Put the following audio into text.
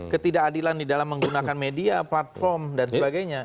ketidakadilan di dalam menggunakan media platform dan sebagainya